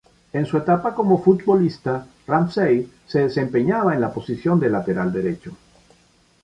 En su etapa como futbolista, Ramsey se desempeñaba en la posición de lateral derecho.